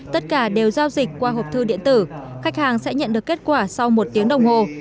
tất cả đều giao dịch qua hộp thư điện tử khách hàng sẽ nhận được kết quả sau một tiếng đồng hồ